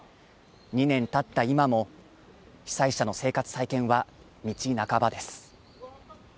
２年経った今も、被災者の生活再建は道半ばです。